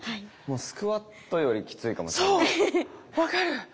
もうスクワットよりキツいかもしれない。